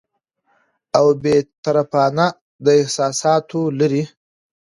او بې طرفانه، د احساساتو لرې